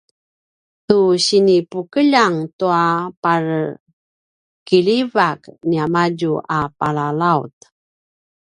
tu sinipukeljang tua parekiljivak niamadju a palalaut